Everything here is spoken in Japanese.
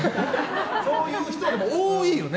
そういう人は多いよね。